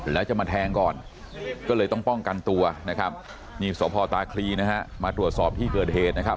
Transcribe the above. แล้วจะมาแทงก่อนก็เลยต้องป้องกันตัวนะครับนี่สพตาคลีนะฮะมาตรวจสอบที่เกิดเหตุนะครับ